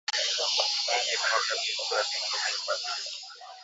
Iyi mwaka bintu abi komeye muzuri